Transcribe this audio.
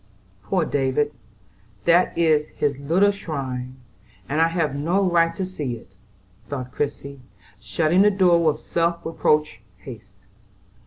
"Poor David, that is his little shrine, and I have no right to see it," thought Christie, shutting the door with self reproachful haste.